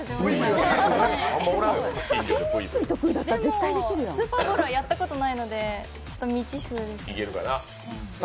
でもスーパーボールはやったことないので未知数ですね。